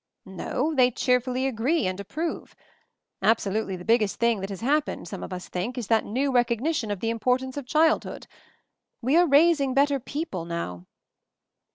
"No; they cheerfully agree and approve. Absolutely the biggest thing that has hap pened, some of us think, is that new recog nition of the importance of childhood. We are raising better people now."